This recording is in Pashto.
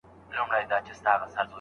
د شافعي فقهاوو نظر په دې اړه څه دی؟